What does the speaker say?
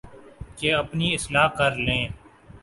کہ اپنی اصلاح کر لیں